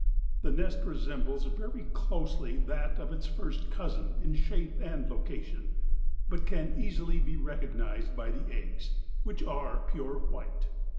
The nest resembles very closely that of its first cousin in shape and location, but can easily be recognized by the eggs, which are pure white.